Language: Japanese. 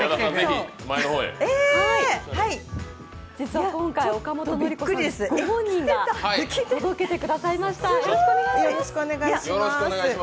実は今回岡本典子ご本人が届けてくださいました。